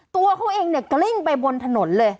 ตัวเขาเองเนี่ยกลิ้งไปบนถนนเลย